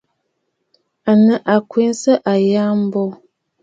À nɨ àkwènə̀ àyâŋmbô.